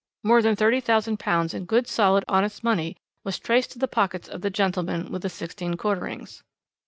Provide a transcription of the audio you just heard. More than £30,000 in good solid, honest money was traced to the pockets of the gentleman with the sixteen quarterings.